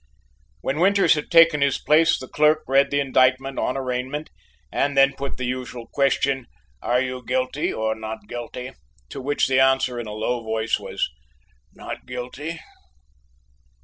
When Winters had taken his place, the clerk read the indictment on arraignment and then put the usual question: "Are you guilty or not guilty?" to which the answer, in a low voice, was, "Not guilty!"